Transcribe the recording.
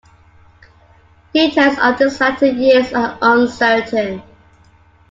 Details of his latter years are uncertain.